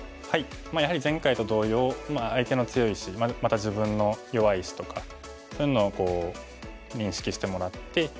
やはり前回と同様相手の強い石また自分の弱い石とかそういうのを認識してもらって。